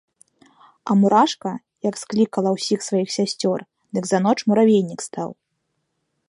А мурашка, як склікала ўсіх сваіх сясцёр, дык за ноч муравейнік стаў.